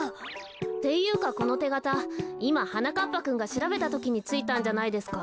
っていうかこのてがたいまはなかっぱくんがしらべたときについたんじゃないですか？